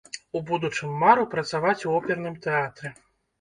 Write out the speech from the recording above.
У будучым мару працаваць у оперным тэатры.